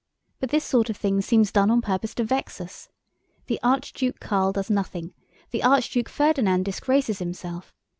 But this sort of thing seems done on purpose to vex us. The Archduke Karl does nothing, the Archduke Ferdinand disgraces himself.